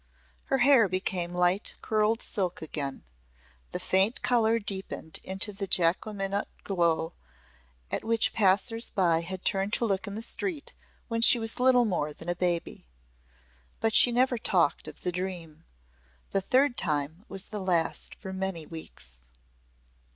Her hair became light curled silk again; the faint colour deepened into the Jacqueminot glow at which passers by had turned to look in the street when she was little more than a baby. But she never talked of the dream. The third time was the last for many weeks.